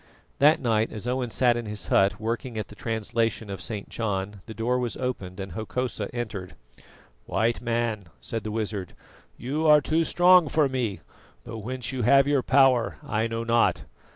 That night as Owen sat in his hut working at the translation of St. John, the door was opened and Hokosa entered. "White Man," said the wizard, "you are too strong for me, though whence you have your power I know not.